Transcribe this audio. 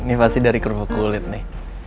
ini pasti dari kerupuk kulit nih